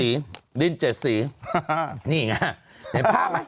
นี่ไงเธอเห็นภาพไหม